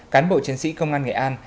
cán bộ chiến sĩ công an nghệ an